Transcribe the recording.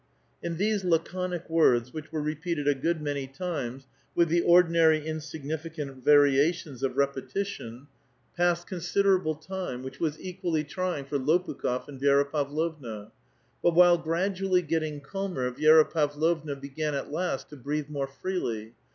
In these laconic words, which were repeated a good many time's, with the ordinary insignificant variations of repetition. 260 A VITAL QUESTION. passed considerable time, which was equally trying for Lo pukh6f and Vl^ra Paviovua. But while gradually getting calmer, Vi^ra Pavlovna began at last to breathe more freely.